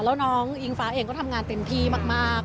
แล้วน้องอิงฟ้าเองก็ทำงานเต็มที่มาก